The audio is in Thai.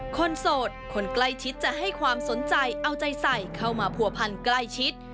โสดคนใกล้ชิดจะให้ความสนใจเอาใจใส่เข้ามาผัวพันใกล้ชิด